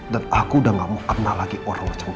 dan aku udah gak mau kenal lagi orang lojong